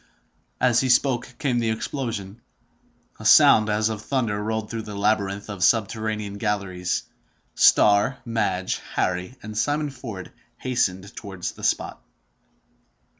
As he spoke, came the explosion. A sound as of thunder rolled through the labyrinth of subterranean galleries. Starr, Madge, Harry, and Simon Ford hastened towards the spot.